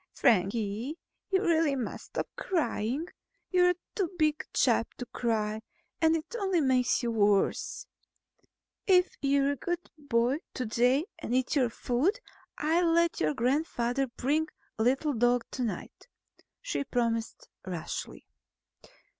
"Frankie, you really must stop crying. You're too big a chap to cry and it only makes you worse. If you're a good boy to day and eat your food, I'll let your grandfather bring the little dog tonight," she promised rashly.